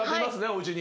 おうちに。